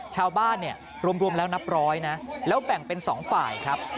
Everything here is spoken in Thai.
ชาวบ้านเนี่ยรวมแล้วนับร้อยนะแล้วแบ่งเป็น๒ฝ่ายครับ